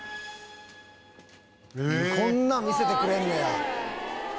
こんなん見せてくれんねや。